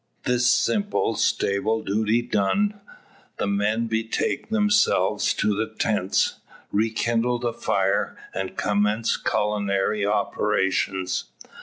This simple stable duty done, the men betake themselves to the tents, re kindle the fire, and commence culinary operations.